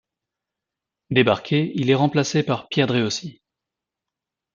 Débarqué, il est remplacé par Pierre Dréossi.